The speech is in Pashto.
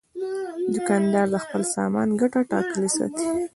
دوکاندار د خپل سامان ګټه ټاکلې ساتي.